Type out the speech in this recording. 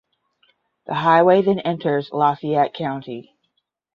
The highway then enters Lafayette County.